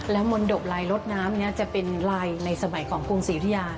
มนตบลายรถน้ำนี้จะเป็นลายในสมัยของกรุงศรียุธยา